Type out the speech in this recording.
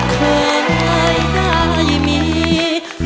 เคยได้มี